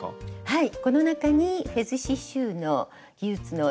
はい。